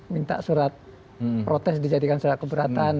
minta surat protes dijadikan surat keberatan